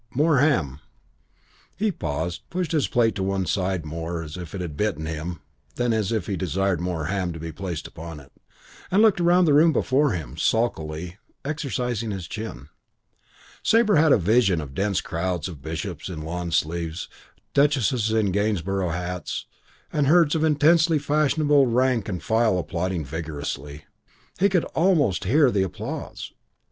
More ham." He paused, pushed his plate to one side more as if it had bitten him than as if he desired more ham to be placed upon it, and looked around the room before him, sulkily, and exercising his chin. Sabre had a vision of dense crowds of bishops in lawn sleeves, duchesses in Gainsborough hats, and herds of intensely fashionable rank and file applauding vigorously. He could almost hear the applause.